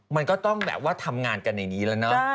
มันก็ต้องทำงานกันในนี้แล้ว